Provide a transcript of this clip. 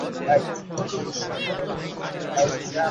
ফণিভূষণ জানলার কাছে যেমন বসিয়া ছিল তেমনি বসিয়া আছে।